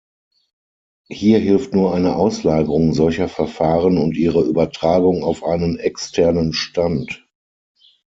Hier hilft nur eine Auslagerung solcher Verfahren und ihre Übertragung auf einen externen Stand.